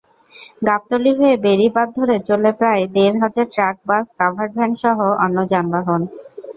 গাবতলী হয়ে বেড়িবাঁধ ধরে চলে প্রায় দেড় হাজার ট্রাক-বাস-কাভার্ড ভ্যানসহ অন্য যানবাহন।